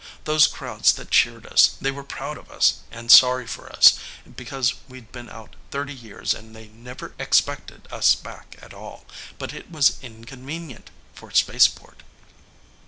Those crowds that cheered us, they were proud of us and sorry for us, because we'd been out thirty years and they never expected us back at all. But it was inconvenient for Spaceport."